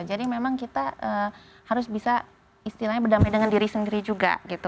jadi memang kita harus bisa istilahnya berdamai dengan diri sendiri juga gitu